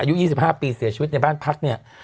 อายุ๒๕ปีเสียชีวิตในบ้านพักเนี่ย